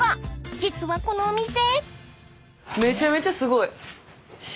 ［実はこのお店］